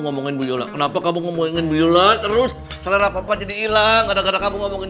ngomongin goyola kenapa kamu mau ingin goyola terus selera papa jadi hilang ada kamu ngomongin